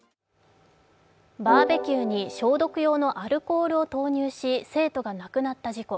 バーベキューに消毒用のアルコールを投入し、生徒が亡くなった事故。